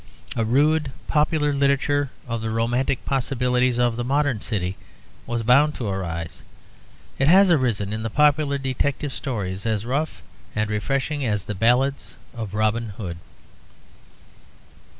A rude, popular literature of the romantic possibilities of the modern city was bound to arise. It has arisen in the popular detective stories, as rough and refreshing as the ballads of Robin Hood.